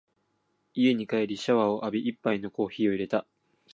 家に帰りつくとシャワーを浴び、一杯のコーヒーを淹れた。